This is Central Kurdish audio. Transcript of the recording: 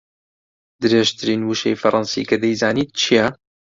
درێژترین وشەی فەڕەنسی کە دەیزانیت چییە؟